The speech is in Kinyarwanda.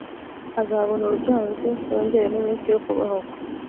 azabona urubyaro rwe yongere n iminsi yo kubaho kwe